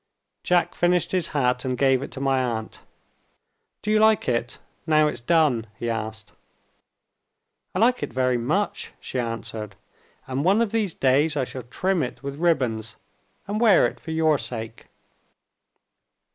Jack finished his hat, and gave it to my aunt. "Do you like it, now it's done?" he asked. "I like it very much," she answered: "and one of these days I shall trim it with ribbons, and wear it for your sake."